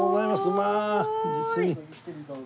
まあ実に。